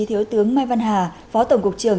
thiếu tướng mai văn hà phó tổng cục trưởng